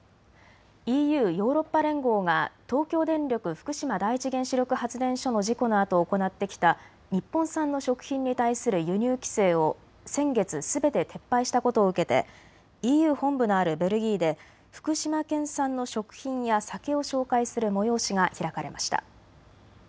ＥＵ・ヨーロッパ連合が東京電力福島第一原子力発電所の事故のあと行ってきた日本産の食品に対する輸入規制を先月すべて撤廃したことを受けてＥＵ本部のあるベルギーで福島県産の食品や酒を紹介する催しが開かれました。